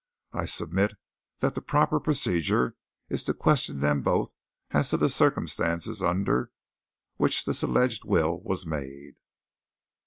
I submit that the proper procedure is to question them both as to the circumstances under which this alleged will was made."